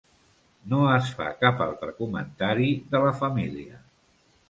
No es fa cap altre comentari de la família.